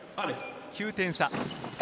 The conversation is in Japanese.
９点差。